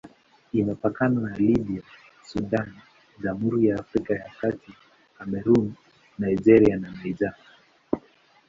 Imepakana na Libya, Sudan, Jamhuri ya Afrika ya Kati, Kamerun, Nigeria na Niger.